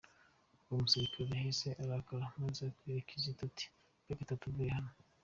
Uwo musirikare yahise arakara maze abwira Kizito ati mbare gatatu uvuye hano.